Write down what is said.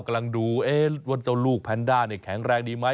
กำลังดูว่าเจ้าลูกแพนด้าแข็งแรงดีไหม